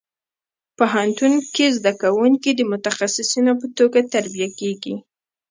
پوهنتون کې زده کوونکي د متخصصینو په توګه تربیه کېږي.